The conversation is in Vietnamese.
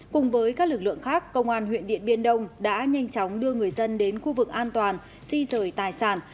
cùng với các lực lượng khác công an huyện điện biên đông đã nhanh chóng đưa người dân đến khu vực an toàn di rời tài sản